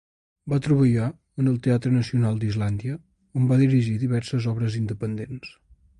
Va treballar en el Teatre Nacional d'Islàndia on va dirigir diverses obres independents.